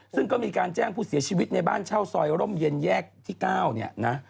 ซึ่งก็มีการแจ้งผู้เสียชีวิตในบ้านเช่าซอยร่มเย็นแยกที่๙เนี่ยนะ